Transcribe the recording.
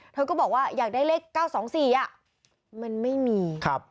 เธอก็บอกว่าอยากได้เลข๙๒๔มันไม่มี